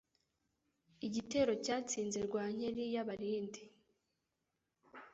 Igitero cyatsinze Rwankeri y'Abalindi